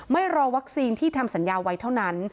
ไม่รอวัคซีนที่ทำสัญญาไว้เท่านั้น